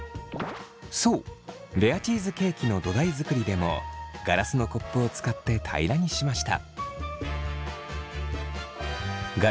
そうレアチーズケーキの土台作りでもガラスのコップを使って平らにしました。